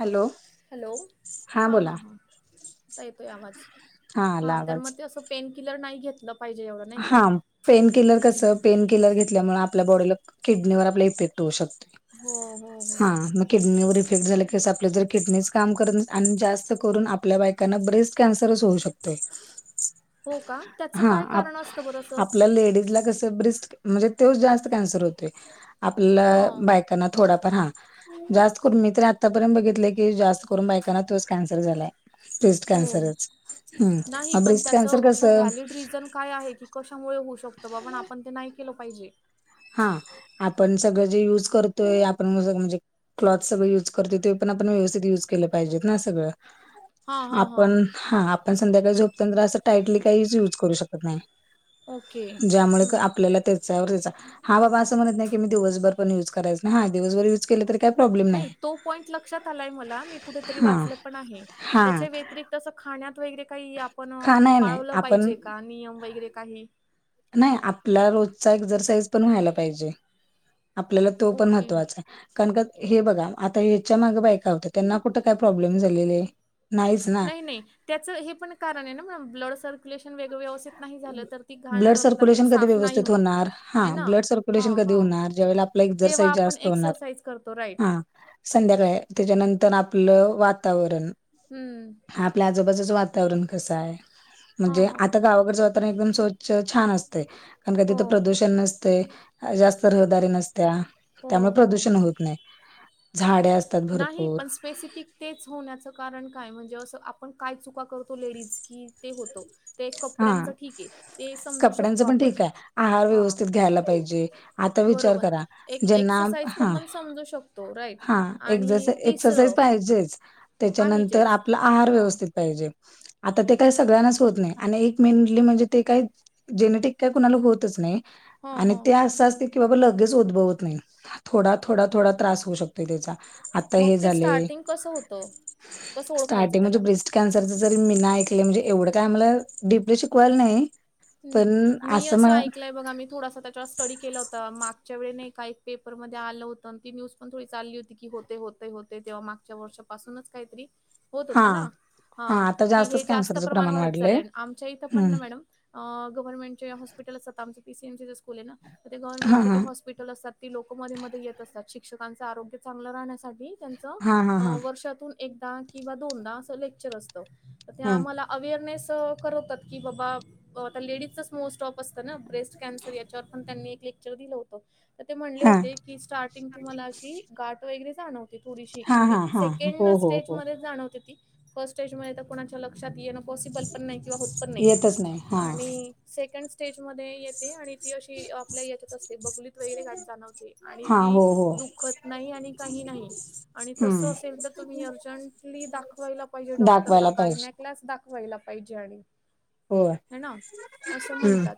Hello hello, हा हां बोला हां हां. आता येतोय आवाज. हा आला हां तर आवाज मग, ते असं पेन किलर नाही घेतलं पाहिजे या हां पेन किलर कस पेन केिलर घेतल्यामुळ, आपल्या बॉडीला किडनीवर आपल्या इफेक्ट होऊ शकते. हं हं हं. किडनीवर इफेक्ट झाला की, कस आपलं जर किडनीच काम करत न आणि जास्त करून आपल्या बायक कांना ब्रेस्ट कॅन्सरच होऊ शकतोय. हो का? त्याचं काय कारण असतं बरं असं? आता लेडीज ला कसं ब्रेस्ट म्हणजे तोच जास्त कॅन्सर होतोय. हा आपल्या बायका ना थोडा फार हां. जास्त करून मी तरी आत्तापर्यंत बघितले की, जास्त करून बायकांना तोच कॅन्सर झालाय. ब्रेस्ट होय. कॅन्सरच नाही हम्म पण ब्रेस्ट त्याच कॅन्सर अस कसं व्हॅलीड रिजन काय आहे की, कशामुळे होऊ शकतं बाबा अन् आपण ते नाही केलं पाहिजे. हां आपण सगळं जे युज करतोय. आपण म्हणजे क्लॉथ सगळं युज करतोय, ते पण आपण व्यवस्थित युज केलं पाहिजेत ना सगळं. हा हा हा आपण हां आपण संध्याकाळी झोपताना तर असं टाईटली काहीच युज करू शकत नाही. ओके ज्यामुळे हम्म. आपल्याला ते हां बाबा अस म्हणत नाही की, मी दिवसभर पण यूज करायच नाही. हां दिवसभर यूज केलं तरी काही प्रॉब्लेम नाही, तो पॉईंट लक्षात आलाय मला. मी कुठेतरी हा वाचलं पण आहे. हा त्याच्या व्यतिरिक्त तसं खाण्यात वगैरे काही आपण हा नाही नाही पाळलं आपण पाहिजे का? नियम वगैरे काही नाही, आपला रोजचा एक्सरसाइज पण व्हायला पाहिजे. आपल्याला तो पण ओके महत्त्वाचाय. कारण का हे बघा, आता ह्याच्या मागं बायका होत्या. त्यांना कुठं काय प्रॉब्लेम झालेले? नाहीच ना नाही नाही. त्याचं हे पण कारण आहे ना मॅम, ब्लड सर्क्युलेशन वेग व्यवस्थित नाही झालं तर ती घाण ब्लड रक्तातली सर्क्युलेशन कधी साफ नाही व्यवस्थित होत. होणार हा हे ना? ब्लड सर्क्युलेशन हां कधी हां होणार ज्यावेळेला आपला जेव्हा एक्झरसाईज आपण जास्त होणार एक्सरसाइज करतो राईट हा संध्याकाळी आहे. त्याच्यानंतर आपलं वातावरण हम्म हां आपल्या आजूबाजूचं वातावरण कसं आहे? हा म्हणजे हा आता गावाकडचं वाता वरण एकदम स्वच्छ, छान असतंय. कारण का हो तिथं प्रदूषण नसतंय जास्त रहदारी नसत्या, हो त्यामुळे हो प्रदूषण हो होत नाही. झाडे अस नाही पण स्पेसिफिक तेच होण्याचं कारण काय? म्हणजे असं आपण काय चुका करतो लेडीज, की ते होतं ते हा कपड्यांचं ठीक आहे. ते समजू शकतो कपड्यांचं पण आपण. ठीक आहे आहार हां व्यवस्थित घ्यायला पाहिजे आता विचार बरोबर. करा एक ज्यांना एक्सरसाइज पण मग समजू शकतो. राईट आणि एक्सरसाइ, एक्सरसाईज तिसरं पाहिजेच. त्याच्यानंतर पाहिजेच. आपला आहार हां. व्यवस्थित पाहिजे आता ते काही सगळ्यांनाच होत नाही आणि एक मेनली म्हणजे ते काय जेनेटिक काय कुणाला होतच नाही हां, आणि हां. ते असं असते की बाबा लगेच उद्भवत नाही. थोडा, थोडा, थोडा त्रास होऊ शकतो तोय त्याचा. आता मग हे ते झालंय, स्टार्टिंग कसं होतं? कसं ओळखायचं स्टार्टिंग त्याला? मध्ये ब्रेस्ट कॅन्सरचं जरी मी नाय ऐकलं, म्हणजे एवढं काय आम्हाला डीपली शिकवायला नाही पण हम्म. मी असं म ऐकलंय बघा, मी थोडासा त्याच्या स्टडी केला होता. मागच्या वेळी नाही का, एक पेपरमध्ये आलं होतं आणि ती न्यूज पण थोडी चालली होती की होते, होते, होत तेव्हा मागच्या वर्षापासूनच काहीतरी होत हा होतं ना? हा हां. आता की जास्तच हे जास्त कॅन्सरचं प्रमाण वाढत वाढलंय. चाललंय. आमच्या इथे पण हं. ना मॅडम अ गवर्नमेंट चे हॉस्पिटल असतात, आमचे पी. सी. एम. सी. चे स्कूल आहे ना, तर ते हा गवर्नमेंट चे जे हा. हॉस्प पिटल असतात. ती लोक मध्ये मध्ये येत असतात. शिक्षकांचं आरोग्य चांगलं राहण्यासाठी त्यांचं, हा हा हा. अं वर्षातून एकदा किंवा दोनदा असं लेक्चर असतं. तर ते हं. आम्हाला अवेअरनेस करवतात की बाबा आता लेडीजचंच मोस्ट ऑफ असतं ना, ब्रेस्ट कॅन्सर याच्यावर पण त्यांनी एक लेक्चर दिलं होतं. तर ते म्हणले हा. होते की स्टार्टिंग तुम्हाला अशी, गाठ वगैरे जाणवते. थोडीशी. हा म्हणजे हा हा. सेकंड हो हो स्टेज हो. मधेच जाणवते ती. फर्स्ट स्टेज मध्ये आता कोणाच्या लक्षात येन पॉसिबल पण नाही किंवा होत पण नाही. येतच हा. आणि सेकंड स्टेज मध्ये येते आणि ती अशी आपल्या याच्यात असते, बगलीत वगैरे गाठ जाणवते, आणि हा हो ती हो. दुखत नाही आणि काही नाही. आणि तसं हं असेल तर तुम्ही अर्जंटली दाखवायला पाहिजे डॉक्टरला. दाखवायला पाहिजे. गायनॅक लाच दाखवायला पाहिजे आणि होय. ह ना? असं हं. म्हणतात.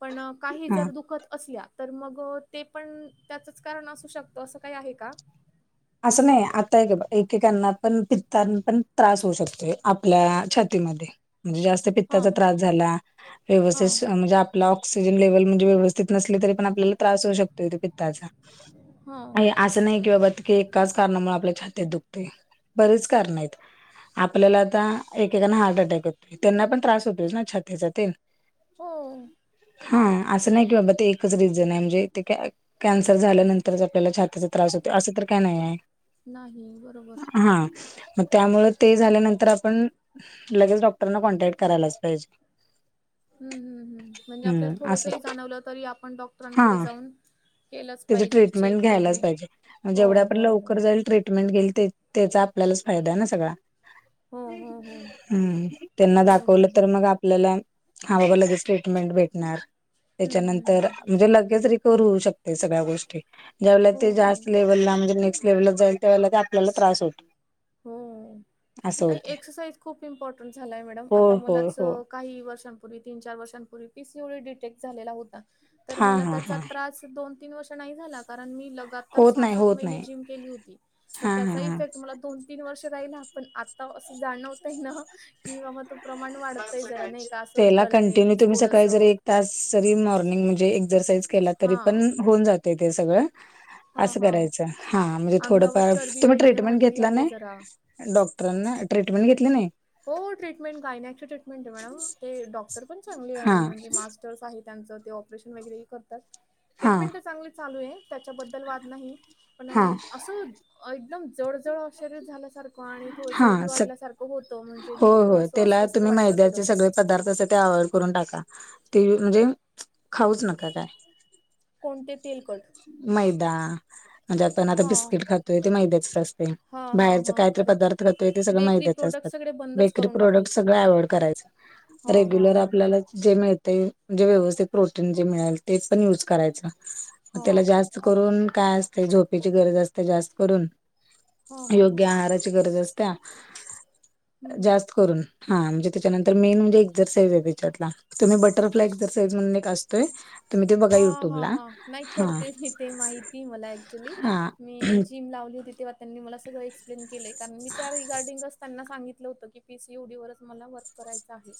पण काही हा. जर दुखत असल्या तर मग, ते पण त्याचंच कारण असू शकतं असं काही आहे का? असं नाही. आता हे बघ, एकेकांना पण पित्तानं पण त्रास होऊ शकतोय आपल्या छातीमध्ये. म्हणजे जास्त पित्ताचा हां, त्रास झाला, व्यवस्थित हां, सं म्हणजे आ आपला ऑक्सिजन लेवल म्हणजे व्यवस्थित नसली तरी पण आपल्याला त्रास होऊ शकतो तो पित्ताचा. हां. आणि असं नाही कि बाबा की एकाच कारणामुळे आपल्या छातीत दुखते. बरीेच कारण आहेत. आपल्याला आता, एकेकांना हार्ट अटॅक होतो. त्यांना पण त्रास होतोस ना छातीचा ते हो. हा. असं नाही की बाबा ते एकच रिझन आहे. म्हणजे ते काय कॅन्सर झाल्यानंतर आपल्याला छातीचा त्रास होतो असं तर काय नाहीयेय नाही बरोबर. हां म त्यामुळे ते झाल्यानंतर आपण लगेच डॉक्टरांना कॉन्टॅक्ट करायलाच पाहिजे. हुं हुं हुं म्हणजे हम्म आपल्याला असं थोडसही जाणवलं तरी आपण डॉक्टरांकडे जाऊन केलंच तीज पाहिजे ट्रीटमेंट चेक घ्यायलाच वगैरे. पाहिजे हो, जेवढ्या आपण हो, हो. लवकर जाईल ट्रीटमेंट घेईल त्य त्याचा आपल्यालाच फायदा आहे ना सगळा. हो, हो, हो. हुं त्यांना बरोबर दाखवलं आहे. तर मग आ पल्याला हा बाबा लागेच ट्रीटमेंट भेटणार हं, हं, त्याच्यानंतर हं. म्हणजे लगेच रिकवर होऊ शकते सगळ्या गोष्टी ज्या हो, ते हो. जास्त लेव्हलला नेक्ट लेव्हल जाईल त्यावेळी आपला त्रास होत हुं आणि एक्सरसाईज खूप इम्पॉर्टंट झालाय मॅडम आता होय होय मलाच हो अं काही वर्षांनपूर्वी तीन, चार वर्षांपूर्वी P C O D detect झालेला होता. तर हा मला हा त्याचा हा त्रास दोन तीन वर्ष नाही झाला कारण मी ल लग्नात होत सहा, नाही सात होत महीने नाही जिम केली होती तर हा हा त्याचा इफेक्ट हा मला दोन तीन वर्ष राहिला, पण आता असं जाणवत आहे ना की बाबा तो प्रमाण वाढतंय जरा नाही का असं डलनेस थोडस त्यास जरी मॉर्निंग म्हणजे एक्जरसाईज केला तरी हा पण होऊन जाते ते सगळं हा अस हा कराच हां म्हणजे अंगावर थोडफार चरबी तुम्ही वगैरे ट्रीटमेंट वाढली घेतला आहे नाय? जरा डॉक्टरांना, ट्रीटमेंट घेतली नायी? हों ट्रीटमेंट गायनॅकची ट्रीटमेंट आहे मला ते डॉक्टर पण चांगले हा आणि म्हणजे मास् [unintelligible] ते ऑपरेशन वगैरे ही करातात हा ट्रिटमेंट तर चागंली चालूयं त्याच्याबद्दल वाद नाही पण हा असं एकदम जडजड अक्ष‌रे झाल्यासारखं आणि थोडसर चरबी वाढल्यासारखं हो हों हों त्याला तुम्ही थोडं मैद्याचे सग ते पदार्थ सध्या अवाॅईड करून टाका ते म्हणजे खाऊच नका काय. कोणते तेलकट? मैदा म्हणजे आता ना हा बिस्किट खातोय ते मैद्याच असतेय हा हा बाहेरच हा काहीतरी पदार्थ करेक्ट ते सगळं बेकरी मैद्याच प्रोडक्ट असतात सगळे बंदच बेकरी करून प्रोडक्ट टाकायचे. सगळं अवॉइड करायचं. हा हा रेग्युलर हा आपल्याला जे मिळतंय जे व्यवस्थित प्रोटीन जे मिळल तेच पण युज करायच हा तेला जा च करून काय असतय झोपेची गरज असतय जास्त करून हा हा हा योग्य आहाराची गरज असत्या हम्म जा स्त करून हां म्हणजे त्याच्यानंतर मेन म्हणजे एक्जरसाईजयं तेजाला तुम्ही बटरफ्लाय एक्जरसाईजयं म्हणून एक असतोय तुम्ही ते बघा हा हा युट्यूबला हा नाही हा करते मी ते माहितीये मला ऍक्च्युली हा मी जिम लावली होती तेव्हा त्यांनी मला सगळं एक्सप्लेन केलेय कारण मी त्यावेळी गार्डिंग असताना त्यांना सांगितलं होतं की पी सी ओ डी वरच मला वर्क करायचं आहे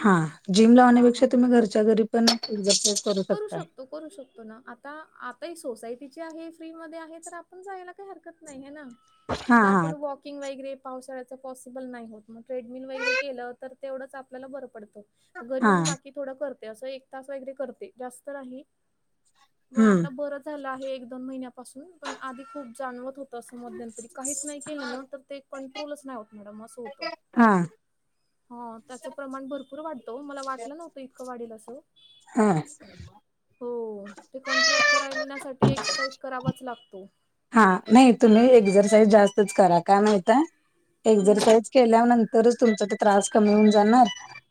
हां जिम हा हा लावण्यापेक्षा तुम्ही घरच्या घरी पण एक एक्जरसाईज करू शकतो, करू शकतो ना आता आता हे सोसायटीची आहे फ्री मध्ये आहे तर आपण जायला हरकत नाही आहे नां हा आता आपण हा वाॅक किंग वगैरे पावसाळ्यांच पॉसिबल नाही होत मग ट्रेडमिल वगैरे केलं तर तेवढंच आपल्याला बरं पडत घरी हा येऊन बाकी थोडं करते असं एक तास वगैरे करते जास्त नाही मग हम्म आता बरं झालं आहे एक दोन महिन्यापासून पण आधी खूप जाणवत हो तसं मध्यंतरी काहीच नाही केलं ना तर ते कंट्रोलच नाही होत मॅडम अस होत हा हां त्याच प्रमाण भरपूर वाढत ओ मला वाटलं नव्ह ते इतकं वाढेल असं हां हो ते कंट्रोल करायण्यासाठी एक्ससाइज करावाच लागतो. हा नाही तुम्ही एक्सरसाईज जास्तच करा का माहित आहे, हम्म एक्सरसाइज केल्यानंतरच तुमचा तो त्रास कमी होऊन जाणार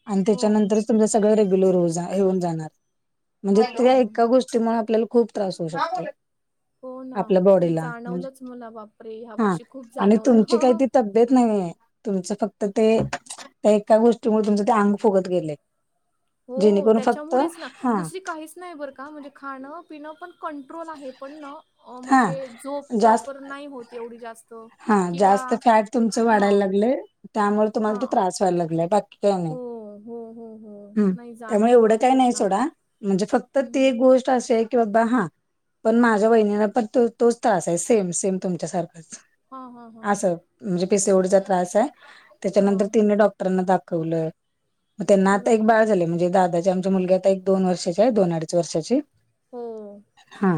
आणि हो त्याच्यानंतर तुमचं सगळं रेग्युलर येऊन होऊन जाणार म्हणजे हा हा ते हा एका गोष्टी त्यामुळे आपल्याला खूप त्रास होऊ शकतो हो ना आपल्या ते बॉडीला म्हणजे जाणवलंच मला बापरे ह्या वर्षी खूप जाणवलं हं हं देत नाहीये तुमचं फक्त ते त्या एका गोष्टीमुळे तुमच ते अंग फुगत गेलय हो जेणेकरून फक्त त्याच्यामुळेच ना हा दुसरी काहीच नाही बरं का म्हणजे खाणं पिनं पण कंट्रोल आहे पण ना हा म्हणजे झोप जास्त प्रॉपर नाही होत एवढी जास्त हा किंवा जास्त फॅट तुमच वाढायला हां लागलय, त्यामुळे तुम्हाला तो हां त्रास व्हायला लागलाय बा [unintelligible] हो हो हो हो हम्म नाही त्यामुळे जाणवतं एवढं काय नाही अक्षरशः हम्म सोडा म्हणजे फक्त ते हम्म. एक गोष्ट त्रास आहे किंवा बा हा पण माझ्या वहिणीला पण तो तोच त्रास आहे सेम सेम तुमच्यासारखंच हां हां हां आसं म्हणजे पी सी ओडीचा त्रास आहे, त्याच्यानंतर हां तिन डॉक्टरांना दाखवलं मग त्यांना आता एक बरोबर बाळ झालय म्हणजे दादाची आमची मुलगी आता एक दोन वर्षाची आहे दोन अडीच वर्षाची हो... हा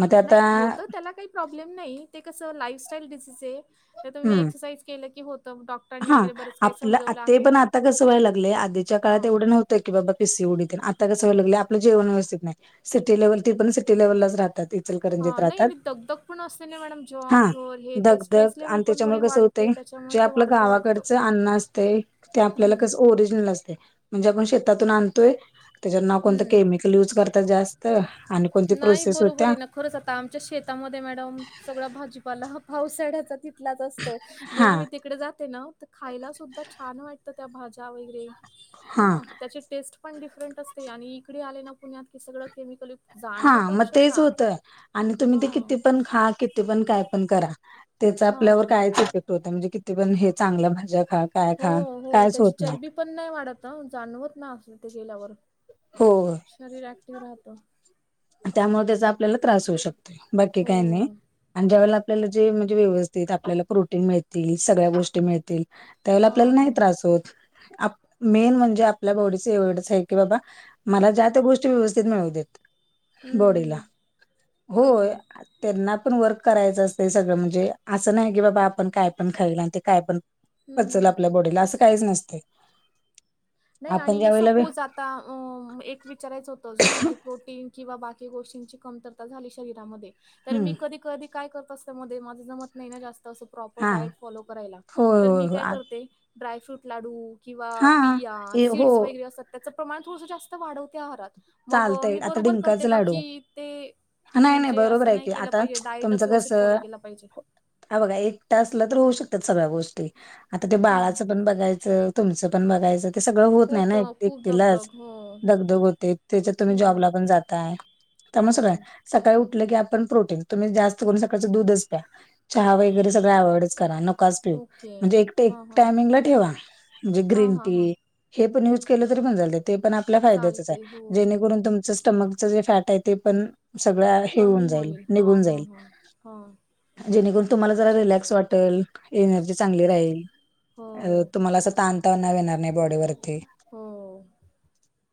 मग ते आता नाही होतं त्याला काही प्रॉब्लेम नाही ते कसं लाईफ स्टाईल डिसीज आहे आता मी हम्म एक्ससाईइज केलं की होतं डॉ हा आपलं ते पण आता कसं व्हायला लागलेय आधीच्या काळात हां एवढं नव्हतं ते की बाबा पीसीओडी तेन आता कंस व्हाय लागलय आपलं जेवण व्यवस्थित नाय सिटी लेव्हल ती पण सिटी लेव्हललाच राहतात. इचलकरंजीत हा नाही राहतात आणि दगदग पण असते नाही मॅडम जॉब, हा घर हे ते स्ट्रेस दगदग लेव्हल आणि पण थोडी त्याच्यामुळे कसं वाढ ते होतंय जे त्याच्यामुळे ते आपलं वाढत गावाकडचं अन्न असतय ते आपल्याला हम्म, कसं ओरिजनल असतय म्हणजे आपण शेतातून आन ते त्याच्यावर ना कोणतं हम्म. केमिकल यूज करतात जास्त आणि कोणती नाही प्रोसेस बरोबर होत्या आहे ना खरंच आता आमच्या शेतामध्ये मॅडम सगळा भाजीपाला हा पावसाळ्याचा तिथ तिथंलाच असतो हा जेव्हा मी तिकडे जाते ना तर खायला सुद्धा छान वाटतं त्या भाज्या वगैरे हाय हा ना त्याची टेस्ट पण डिफरंट असते आणि इकडे आले ना पुण्यात कि सगळं केमिकल यु हा मग तेच होत आणि तुम्ही ते हां, किती पण हा किती पण काय पण करा त्याच आपल्यावर हां. काहीच ई हो म्हणजे किती पण हे चांगल्या भाज्या खा काय हो खा हो कायच त्याची होत चरबी पण नाही वाढत जाणवत ना अस ते गेल्यावर होय शरीर ऍक्टिव राहतं. त्यामुळे त्याचा आपल्याला त्रास होऊ शकतोय, बाकी हो. काही नाही आणि ज्या वळेला आपल्याला जे म्हणजे व्यवस्थित आपल्याला प्रोटीन मिळतील, सगळ्या गोष्टी मिळतील. त्यावेळी आपल्याला हां, नाही हां. त्रास होत आप मेन म्हणजे आपल्या बॉडी एवढंच हाय की की बाबा मला ज्या त्या गोष्टी व्यवस्थित मिळवू देत. हं, बॉडीला हं. होय. बरोबर. त्यांना पण वर्क करायचं असत सगळं म्हणजे असं नाही की बाबा आपण काय पण खाईल आणि ते काय पण पचल हं. आपल्या बॉडीला असं काहीच नसते. नाही आपण आणि ज्या वेळेला सपोज आ ता एक विचारायचं होतं अजून म्हणजे प्रोटीन किंवा बाकी गोष्टींची कमतरता झाली शरीरामध्ये तर मी हम्म कधी कधी काय करत असत मध्ये माझं जमत नाही ना जास्त असं प्रॉपर हा डायट फॉलो करायला होय तर मी होय हो काय करते ड्रायफ्रूट लाडू किंवा हा बी हो सीड्स वगैरे असतात त्याचं प्रमाण थोडसं जास्त वाढवते आहारात. मग चालतय मी आता बरोबर डिंकाच करते का कि लाडू ते नाही नाही म्हणजे बरोबर असं आहे नाही की केलं आता पाहिजे डायटच तुमचं व्यवस्थित फॉलो कसं केला पाहिजे. हा बघा एकटं असला तर होऊ शकतात सगळ्या गोष्टी आता ते हा बाळाचं पण बघायचं तुमचं पण बघायचं ते सगळं होत नाही ना एक खूप एकटीलाच दगदग हो दगदग होते. त्याच्यात तुम्ही हो जॉबला पण जाताय हो त्यानुसार हाय सकाळी उठलं की आपण प्रोटीन तुम्ही जास्त करून सकाळचं दूधचं प्या चहा वगैरे सगळं अव्हॉइडचं करा नकाच पिऊ ओके म्हणजे एकट एक हा हा टायमिंग ला ठेवा. म्हणजे हा ग्रीन हा हा टी हे पण यूज केलं तरी पण चालतंय ते पण आपल्या फायद्याचंच चालते हो आहे हो जेणेकरून तुमच स्टमकचं जे फॅट हाय ते पण सगळं हे हुन कमी जाईल होईल हा निघून हा जाईल. हा हा जेणेकरून तुम्हाला जरा अच्छा रिलॅक्स वाटल एनर्जी चांगली राहील हो अ तुम्हाला असं ताण तनाव येणार नाही बॉडीवरती. हो